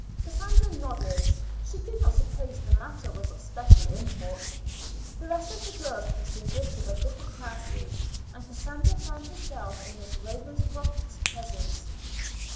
Cassandra nodded. She did not suppose the matter was of special import. The rest of the girls proceeded to their different classes, and Cassandra found herself in Miss Ravenscroft's presence.